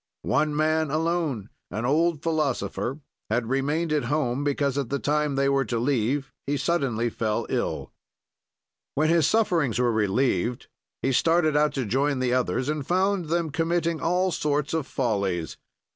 "One man alone, an old philosopher, had remained at home because, at the time they were to leave, he suddenly fell ill. "When his sufferings were relieved, he started out to join the others and found them committing all sorts of follies.